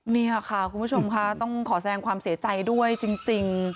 นี่ค่ะคุณผู้ชมค่ะต้องขอแสงความเสียใจด้วยจริง